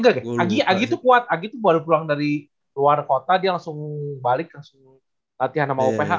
ari g tuh kuat ari g tuh baru pulang dari luar kota dia langsung balik langsung latihan sama uph